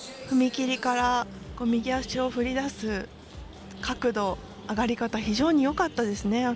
踏み切りから右足を踏み出す角度、上がり方非常によかったですね。